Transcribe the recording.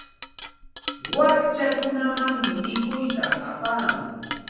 Wakchakunamanmi mikuyta apaa.